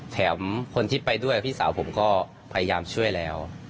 แถมคนที่ไปด้วยพี่สาวผมก็พยายามช่วยแล้ว